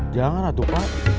janganlah tuh pak